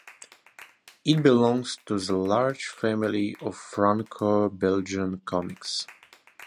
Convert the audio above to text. It belongs to the large family of Franco-Belgian comics.